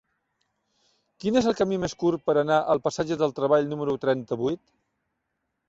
Quin és el camí més curt per anar al passatge del Treball número trenta-vuit?